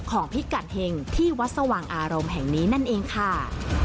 พิกัดเห็งที่วัดสว่างอารมณ์แห่งนี้นั่นเองค่ะ